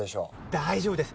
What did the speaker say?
大丈夫です